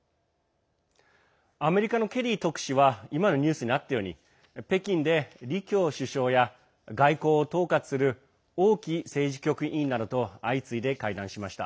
アメリカのケリー特使は今のニュースにあったように北京で李強首相や外交を統括する王毅政治局委員などと相次いで会談しました。